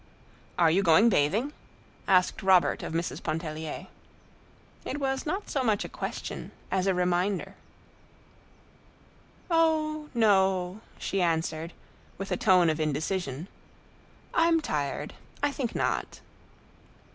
"Are you going bathing?" asked Robert of Mrs. Pontellier. It was not so much a question as a reminder. "Oh, no," she answered, with a tone of indecision. "I'm tired; I think not."